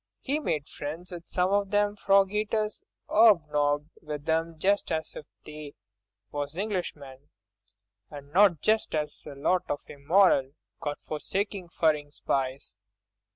—'E made friends with some o' them frog eaters, 'obnobbed with them just as if they was Englishmen, and not just a lot of immoral, God forsaking furrin' spies.